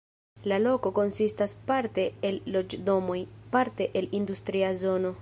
La loko konsistas parte el loĝdomoj, parte el industria zono.